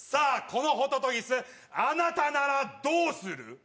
このホトトギスあなたならどうする？